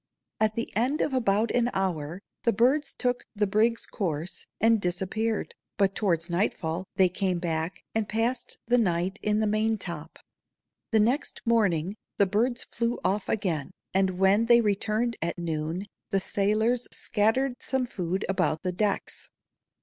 At the end of about an hour the birds took the brig's course, and disappeared, but towards nightfall they came back and passed the night in the main top. The next morning the birds flew off again, and when they returned at noon the sailors scattered some food about the decks.